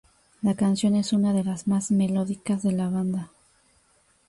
La canción es una de las más melódicas de la banda.